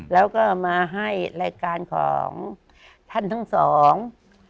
แล้วก็มาให้รายการของท่านทั้งสอง